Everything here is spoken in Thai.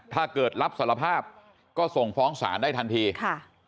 ถ้าเกิดรับสารภาพก็ส่งฟ้องศาลได้ทันทีค่ะ